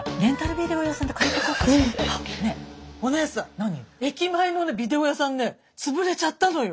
ビデオ屋さんね潰れちゃったのよ！